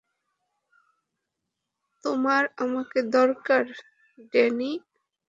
তোমার আমাকে দরকার, ড্যানি।